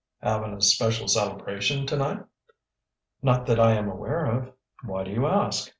"Having a special celebration to night?" "Not that I am aware of." "Why do you ask?"